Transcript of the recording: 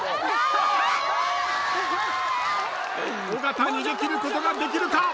尾形逃げ切ることができるか！？